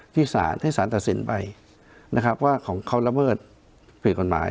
ที่สารให้สารตัดสินไปนะครับว่าของเขาระเบิดผิดกฎหมาย